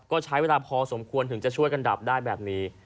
ก็ใช้เวลาพอสมควรถึงจะช่วยกันดับได้แบบนี้